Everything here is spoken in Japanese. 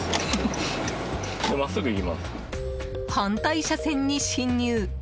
反対車線に侵入。